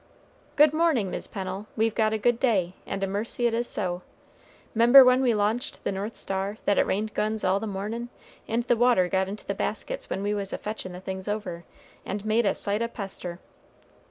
"Good mornin', Mis' Pennel; we've got a good day, and a mercy it is so. 'Member when we launched the North Star, that it rained guns all the mornin', and the water got into the baskets when we was a fetchin' the things over, and made a sight o' pester."